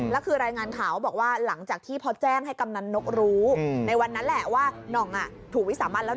แล้วคือรายงานข่าวเขาบอกว่าหลังจากที่พอแจ้งให้กำนันนกรู้ในวันนั้นแหละว่าน่องถูกวิสามันแล้ว